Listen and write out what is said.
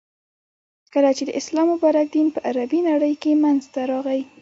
،کله چی د اسلام مبارک دین په عربی نړی کی منځته راغی.